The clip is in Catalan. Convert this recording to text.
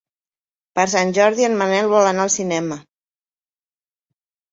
Per Sant Jordi en Manel vol anar al cinema.